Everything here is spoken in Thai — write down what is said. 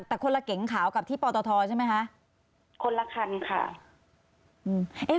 แต่คนละเก๋งขาวกับที่ปตทใช่ไหมคะคนละคันค่ะอืม